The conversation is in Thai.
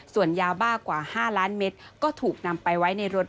ส่วนยาบ้ากว่า๕ล้านเมตรก็ถูกนำไปไว้ในรถ